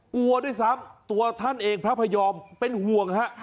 กลัวด้วยซ้ำตัวท่านเองพระพยอมเป็นห่วงฮะ